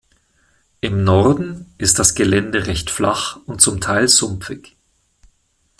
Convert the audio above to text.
Im Norden ist das Gelände recht flach und zum Teil sumpfig.